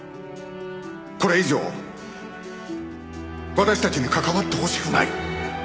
これ以上私たちに関わってほしくない！